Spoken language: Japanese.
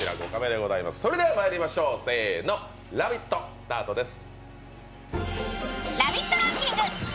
それではまいりましょうせーの、「ラヴィット！」スタートです。